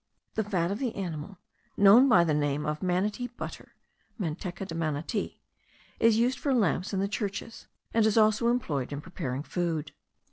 The fat of the animal, known by the name of manatee butter (manteca de manati,) is used for lamps in the churches; and is also employed in preparing food.